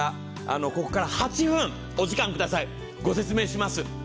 ここから８分お時間ください、ご説明します。